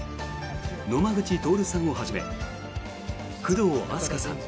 野間口徹さんをはじめ工藤阿須加さん